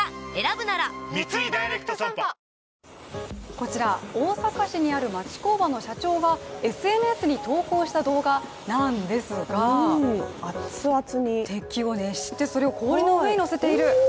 こちら、大阪市にある町工場の社長がＳＮＳに投稿した動画なんですが、鉄球を熱して、それを氷の上に乗せている！